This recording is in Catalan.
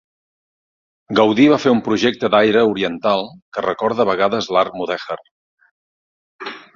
Gaudí va fer un projecte d'aire oriental, que recorda a vegades l'art mudèjar.